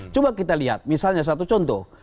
coba kita lihat misalnya satu contoh